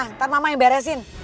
nanti mama yang beresin